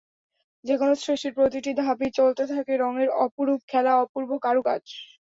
যেকোনো সৃষ্টির প্রতিটি ধাপেই চলতে থাকে রঙের অপরূপ খেলা, অপূর্ব কারুকাজ।